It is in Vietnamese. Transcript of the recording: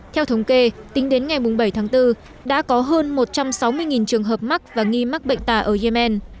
theo thống kê tính đến ngày bảy tháng bốn đã có hơn một trăm sáu mươi trường hợp mắc và nghi mắc bệnh tả ở yemen